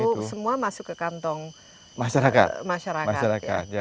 itu semua masuk ke kantong masyarakat